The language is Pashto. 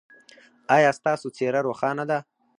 ایا ستاسو څیره روښانه ده؟